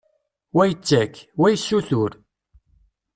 Wa yettak, wa yessutur.